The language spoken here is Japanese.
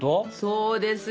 そうですよ。